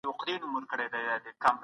ښه ذهنیت جنجال نه راوړي.